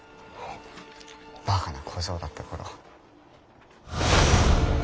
バカな小僧だった頃。